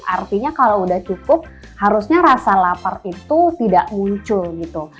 artinya kalau udah cukup harusnya rasa lapar itu tidak muncul gitu